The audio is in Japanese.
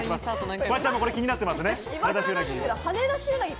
フワちゃんも気になってますね。